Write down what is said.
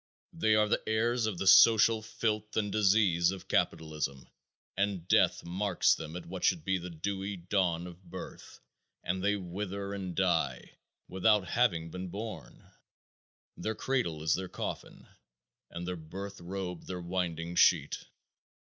They are the heirs of the social filth and disease of capitalism and death marks them at what should be the dewy dawn of birth, and they wither and die without having been born. Their cradle is their coffin and their birth robe their winding sheet.